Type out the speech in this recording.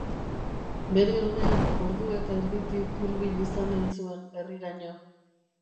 Bere onean, ordu eta erditik hurbil izanen zuen herriraino.